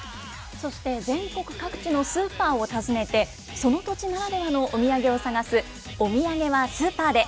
そして、全国各地のスーパーを訪ねて、その土地ならではのお土産を探す、お土産はスーパーで。